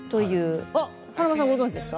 華丸さん、ご存じですか？